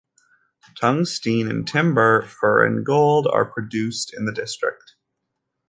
Tungsten and timber, fur and gold are produced in the district.